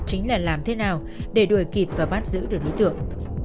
chính là làm thế nào để đuổi kịp và bắt giữ được đối tượng